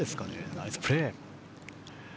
ナイスプレー。